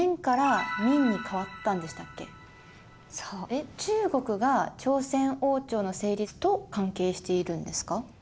えっ中国が朝鮮王朝の成立と関係しているんですか。